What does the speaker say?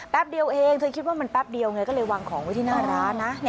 เดียวเองเธอคิดว่ามันแป๊บเดียวไงก็เลยวางของไว้ที่หน้าร้านนะ